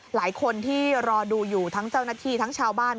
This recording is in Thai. หลายคนที่รอดูอยู่ทั้งเจ้าหน้าที่ทั้งชาวบ้าน